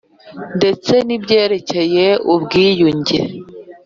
ndetse n'ibyerekeye ubwiyunge.